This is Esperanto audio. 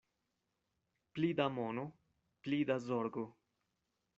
Pli da mono, pli da zorgo.